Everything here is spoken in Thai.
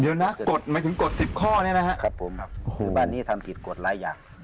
เดี๋ยวนะกฎหมายถึงกฎ๑๐ข้อเนี่ยนะครับผมครับตอนนี้ทำผิดกฎหลายอย่าง